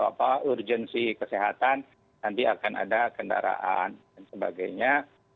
kalau ada kebutuhan kesehatan nanti akan ada kendaraan dan sebagainya